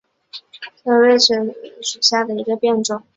锐裂齿顶叶冷水花为荨麻科冷水花属下的一个变种。